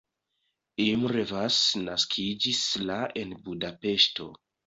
Imre Vas naskiĝis la en Budapeŝto.